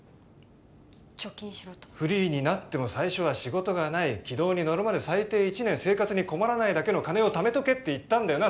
「貯金しろ」とフリーになっても最初は仕事がない軌道に乗るまで最低１年生活に困らないだけの金をためとけって言ったんだよな